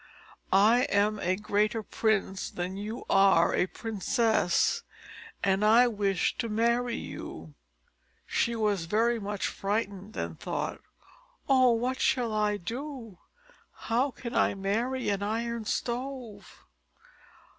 I am a greater prince than you are a princess, and I wish to marry you." She was very much frightened, and thought, "Oh, what shall I do! How can I marry an Iron Stove?"